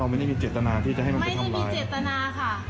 เรามันไม่ได้มีเจตนาที่จะให้มันไปทำร้ายไม่ได้มีเจตนาค่ะ